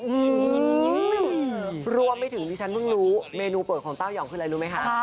อืมรวมไปถึงที่ฉันเพิ่งรู้เมนูเปิดของเต้ายองคืออะไรรู้ไหมคะ